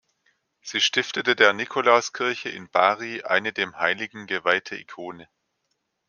Sie stiftete der Nikolauskirche in Bari eine dem Heiligen geweihte Ikone.